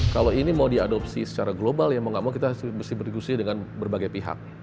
kalau ini mau diadopsi secara global ya mau gak mau kita harus berdiskusi dengan berbagai pihak